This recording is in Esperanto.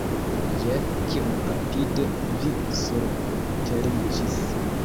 Jen, kiom rapide vi surteriĝis!